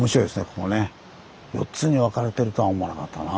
ここね４つに分かれてるとは思わなかったな。